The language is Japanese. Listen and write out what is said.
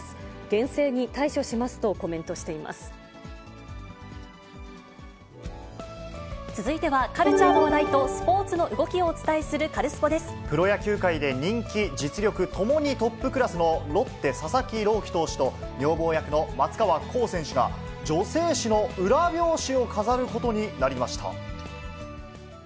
厳正に対処しますとコメントして続いては、カルチャーの話題とスポーツの動きをお伝えする、カルスポっ！でプロ野球界で人気、実力ともにトップクラスのロッテ、佐々木朗希投手と女房役の松川虎生選手が、女性誌の裏表紙を飾ることになりました。